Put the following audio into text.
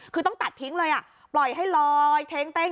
คือต้องตัดทิ้งเลยปล่อยให้ลอยเท้งเต้ง